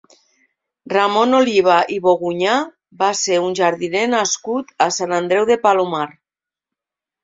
Ramon Oliva i Bogunyà va ser un jardiner nascut a Sant Andreu de Palomar.